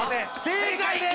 正解です！